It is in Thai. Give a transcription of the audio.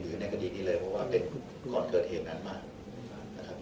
หรือในกดีตนี้เลยเพราะว่าเป็นก่อนเคยเทมนั้นมากนะครับ